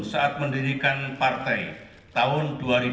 saat mendirikan partai tahun dua ribu dua